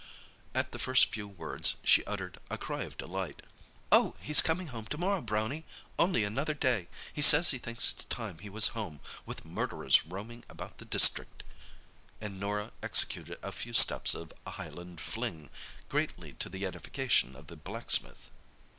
At the first few words, she uttered a cry of delight. "Oh, he's coming home to morrow, Brownie—only another day! He says he thinks it's time he was home, with murderers roaming about the district!" and Norah executed a few steps of a Highland fling, greatly to the edification of the blacksmith.